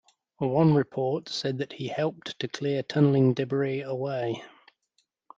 One report said that he helped to clear tunneling debris away.